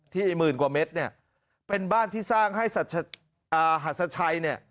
ไอ้หมื่นกว่าเมตรเนี่ยเป็นบ้านที่สร้างให้หัสชัยเนี่ย